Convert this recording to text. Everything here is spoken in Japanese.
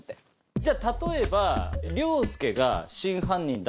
じゃあ例えば。